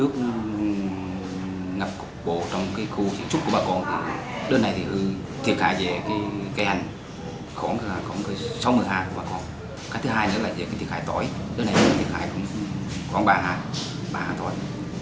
còn đây là các loại cây hành có sáu mươi hai hoa màu cắt các thứ hai nữa là về cái cây hành tỏi đây này thì cây hành có ba mươi hai hoa tỏi